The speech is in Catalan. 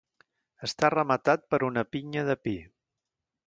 Està rematat per una pinya de pi.